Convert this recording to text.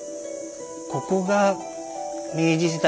ここが明治時代